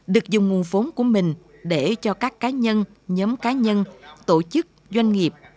được dùng nguồn vốn của mình để cho các cá nhân nhóm cá nhân tổ chức doanh nghiệp